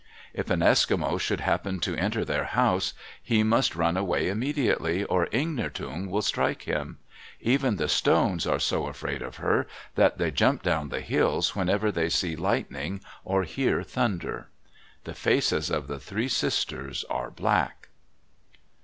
If an Eskimo should happen to enter their house, he must run away immediately, or Ingnirtung will strike him. Even the stones are so afraid of her that they jump down the hills whenever they see lightning or hear thunder. The faces of the three sisters are black.